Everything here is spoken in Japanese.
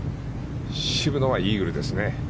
渋野はイーグルですね。